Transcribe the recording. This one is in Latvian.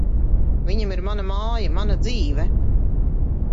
Viņam ir mana māja, mana dzīve.